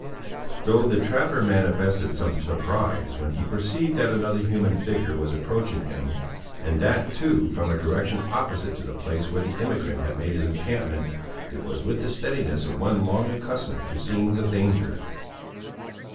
Though the trapper manifested some surprise when he perceived that another human figure was approaching him, and that, too, from a direction opposite to the place where the emigrant had made his encampment, it was with the steadiness of one long accustomed to scenes of danger.